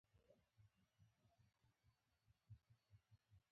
کوچیان په ژمي کې چیرته میشت کیږي؟